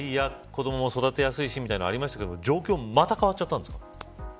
子ども育てやすいしみたいになりますけど状況また変わっちゃったんですか。